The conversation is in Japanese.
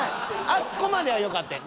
あっこまではよかってん。